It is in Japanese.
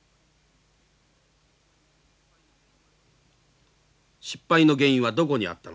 失敗の原因はどこにあったのでしょうか。